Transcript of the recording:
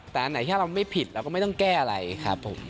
แต่อันไหนถ้าเราไม่ผิดเราก็ไม่ต้องแก้อะไรครับผม